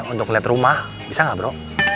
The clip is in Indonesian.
untuk liat rumah bisa gak bro